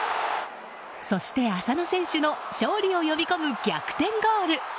そして浅野選手の勝利を呼び込む逆転ゴール。